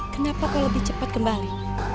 kenapa kau lebih cepat kembali